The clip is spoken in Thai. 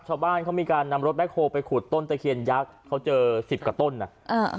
ชาวบ้านเขามีการนำรถแบ็คโฮลไปขุดต้นตะเคียนยักษ์เขาเจอสิบกว่าต้นอ่ะอ่า